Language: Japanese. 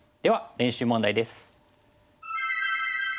練習問題です。